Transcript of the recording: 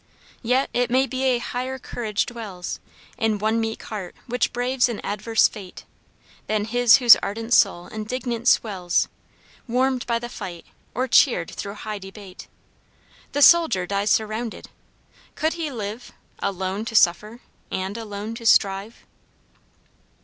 "Yet it may be a higher courage dwells In one meek heart which braves an adverse fate, Than his whose ardent soul indignant swells Warmed by the fight or cheered through high debate, The soldier dies surrounded, could he live Alone to suffer and alone to strive?"